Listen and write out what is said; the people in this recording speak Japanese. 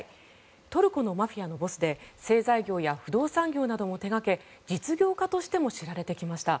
トルコのマフィアのボスで製材業や不動産業なども手掛け実業家としても知られてきました。